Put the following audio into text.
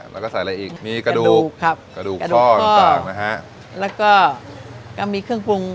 แล้วก็ใส่อะไรอีกมีกระดูกครับกระดูกข้อต่างต่างนะฮะแล้วก็ก็มีเครื่องปรุง